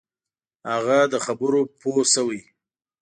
هغه له خبرو پوه شوی.